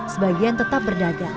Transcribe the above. sebagian tetap berdagang